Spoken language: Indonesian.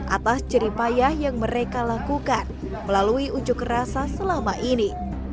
atas jeripayah yang mereka lakukan melalui unjuk rasa selama ini